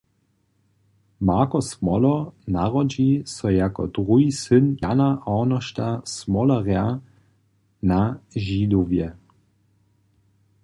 Marko Smoler narodźi so jako druhi syn Jana Arnošta Smolerja na Židowje.